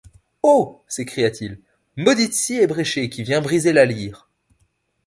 Oh! s’écria-t-il, maudite scie ébréchée, qui vient briser la lyre !